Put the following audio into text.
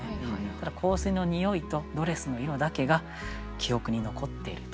ただ香水の匂いとドレスの色だけが記憶に残っているという。